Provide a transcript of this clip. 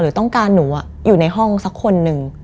ต้องการหนูอยู่ในห้องสักคนหนึ่ง